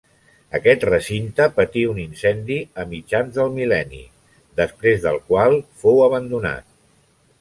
Aquest recinte patí un incendi a mitjans del mil·lenni, després del qual fou abandonat.